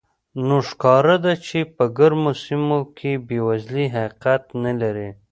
نو ښکاره ده چې په ګرمو سیمو کې بېوزلي حقیقت نه لري.